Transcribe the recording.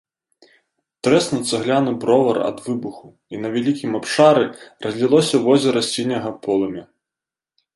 Трэснуў цагляны бровар ад выбуху, і на вялікім абшары разлілося возера сіняга полымя.